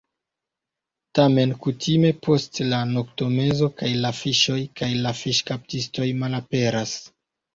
Tamen kutime post la noktomezo kaj la fiŝoj, kaj la fiŝkaptistoj malaperas.